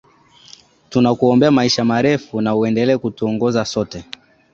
tunakuombea maisha marefu na uendelee kutuongoza sote